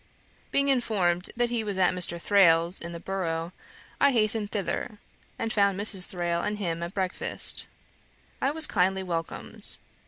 Being informed that he was at Mr. Thrale's, in the Borough, I hastened thither, and found Mrs. Thrale and him at breakfast. I was kindly welcomed.